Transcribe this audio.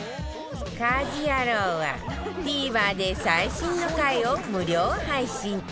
『家事ヤロウ！！！』は ＴＶｅｒ で最新の回を無料配信中